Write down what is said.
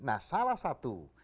nah salah satu